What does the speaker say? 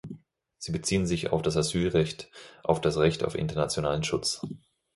Sie beziehen sich auf das Asylrecht, auf das Recht auf internationalen Schutz.